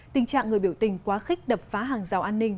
tình trạng người biểu tình quá khích đập phá hàng rào an ninh